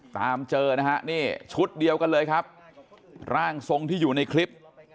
ตามเจอนะฮะนี่ชุดเดียวกันเลยครับร่างทรงที่อยู่ในคลิป